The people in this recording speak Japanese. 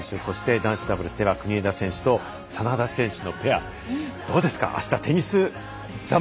男子ダブルスでは国枝選手と眞田選手のペアどうですか？